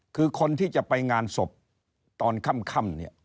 คือคนที่จะไปงานศพตอนค่ำเนี่ย